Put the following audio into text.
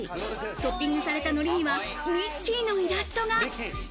トッピングされた海苔にはミッキーのイラストが。